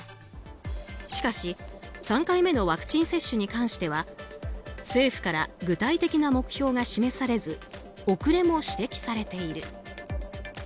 しかし、３回目のワクチン接種に関しては政府から具体的な目標が示されず遅れも指摘されている。